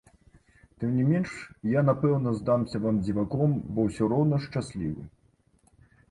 Тым не менш я, напэўна, здамся вам дзіваком, бо ўсё роўна шчаслівы.